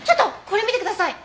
これ見てください。